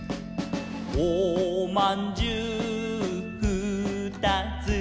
「おまんじゅうふーたつ」